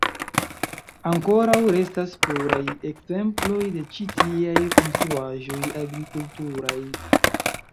Ankoraŭ restas pluraj ekzemploj de ĉi tiaj konstruaĵoj agrikulturaj.